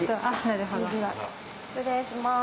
失礼します。